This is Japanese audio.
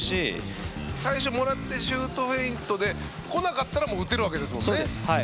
最初もらってシュートフェイントで来なかったらもう打てるわけですもんね。